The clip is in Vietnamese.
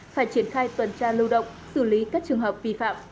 phải triển khai tuần tra lưu động xử lý các trường hợp vi phạm